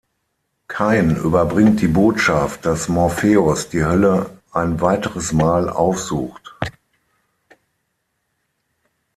Kain überbringt die Botschaft, dass Morpheus die Hölle ein weiteres Mal aufsucht.